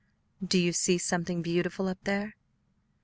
"Do you see something beautiful up there?"